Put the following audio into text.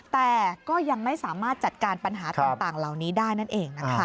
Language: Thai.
แต่ก็ยังไม่สามารถจัดการปัญหาต่างเหล่านี้ได้นั่นเองนะคะ